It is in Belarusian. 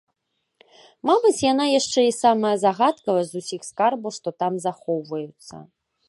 Мабыць, яна яшчэ і самая загадкавая з усіх скарбаў, што там захоўваюцца.